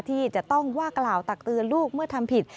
ที่จะต้องว่ากล่าวตักเตือนลูกเมื่อทำผิด